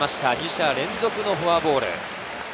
２者連続のフォアボール。